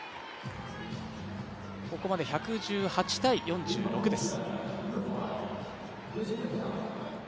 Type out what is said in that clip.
ここまで１１８−４６です。